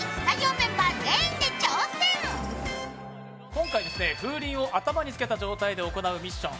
今回、風鈴を頭につけたままで行うミッション。